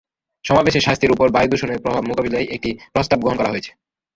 সমাবেশে স্বাস্থ্যের ওপর বায়ুদূষণের প্রভাব মোকাবিলায় একটি প্রস্তাব গ্রহণ করা হয়।